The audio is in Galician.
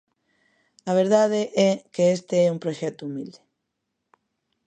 A verdade é que este é un proxecto humilde.